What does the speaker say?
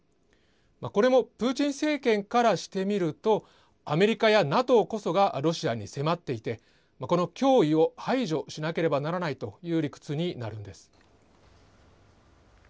これもプーチン政権からしてみると、アメリカやＮＡＴＯこそがロシアに迫っていて、この脅威を排除しなければならないという理屈になるんです。